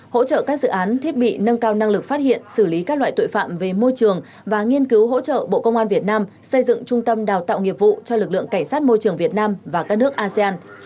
hỗ trợ các dự án thiết bị nâng cao năng lực phát hiện xử lý các loại tội phạm về môi trường và nghiên cứu hỗ trợ bộ công an việt nam xây dựng trung tâm đào tạo nghiệp vụ cho lực lượng cảnh sát môi trường việt nam và các nước asean